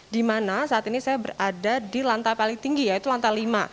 di mana saat ini saya berada di lantai paling tinggi yaitu lantai lima